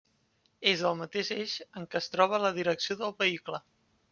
És el mateix eix en què es troba la direcció del vehicle.